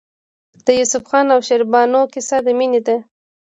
د یوسف خان او شیربانو کیسه د مینې ده.